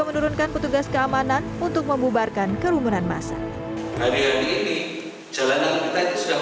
menurunkan petugas keamanan untuk membubarkan kerumunan masa hari hari ini jalanan kita sudah